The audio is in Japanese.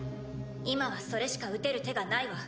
今はそれしか打てる手がないわ。